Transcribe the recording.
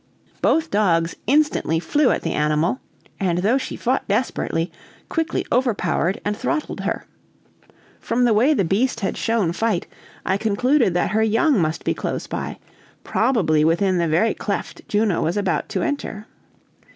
Both dogs instantly flew at the animal, and though she fought desperately, quickly overpowered and throttled her. From the way the beast had shown fight, I concluded that her young must be close by, probably within the very cleft Juno was about to enter.